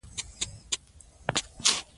حماسي سبک ځوانه ولوله غواړي.